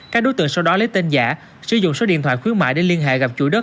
các đối tượng sau đó lấy tên giả sử dụng số điện thoại khuyến mại để liên hệ gặp chủ đất